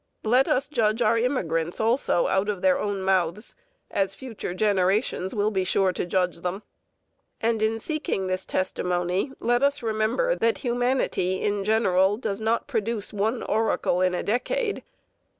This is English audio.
Let us judge our immigrants also out of their own mouths, as future generations will be sure to judge them. And in seeking this testimony let us remember that humanity in general does not produce one oracle in a decade.